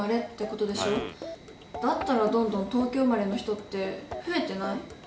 だったらどんどん東京生まれの人って増えてない？